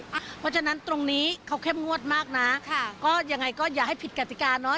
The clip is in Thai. เพราะฉะนั้นตรงนี้เขาเข้มงวดมากนะค่ะก็ยังไงก็อย่าให้ผิดกติกาเนอะ